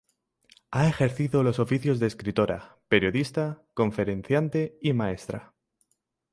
Ha ejercido los oficios de escritora, periodista, conferenciante y maestra.